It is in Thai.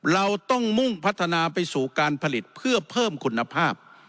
เราต้องมุ่งพัฒนาไปสู่การผลิตเพื่อเพิ่มคุณภาพ